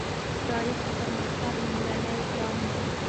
تاریخ د پرمختګ لومړنی ګام دی.